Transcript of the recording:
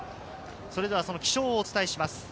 気象をお伝えします。